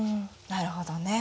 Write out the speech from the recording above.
なるほどね。